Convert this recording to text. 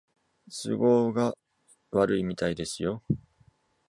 都合が悪いみたいですよ